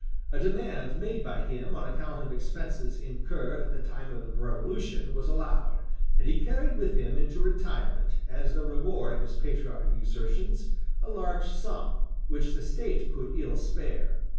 A demand made by him on account of expenses incurred at the time of the Revolution was allowed; and he carried with him into retirement as the reward of his patriotic exertions a large sum, which the State could ill spare.